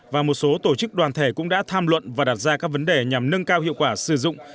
và một số tổ chức đoàn thể cũng đã tham luận và đặt ra các vấn đề nhằm nâng cao hiệu quả sử dụng